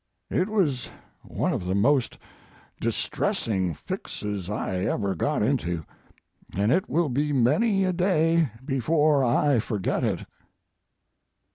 It was one of the most distressing fixes I ever got into, and it will be many a day before I forget it."